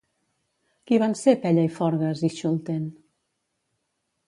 Qui van ser Pella i Forgas i Schulten?